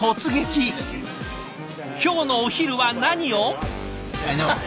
今日のお昼は何を？